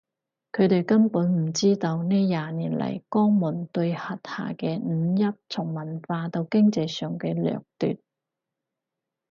佢哋根本唔知道呢廿年嚟江門對轄下嘅五邑從文化到經濟上嘅掠奪